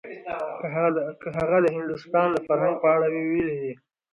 که هغه د هندوستان د فرهنګ په اړه وی ويلي دي.